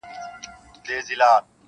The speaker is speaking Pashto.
تاج دي کم سلطان دي کم اورنګ دي کم-